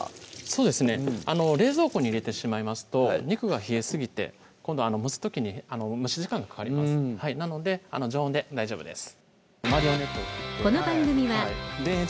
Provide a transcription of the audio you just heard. そうですね冷蔵庫に入れてしまいますと肉が冷えすぎて今度蒸す時に蒸し時間がかかりますなので常温で大丈夫です